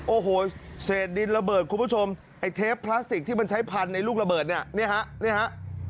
โอ้โหเสรดดินระเบิดครับคุณผู้ชมไอเทปพลาสติกที่มันใช้พันในลูกระเบิดนี่นี่ฮะนี่ฮะ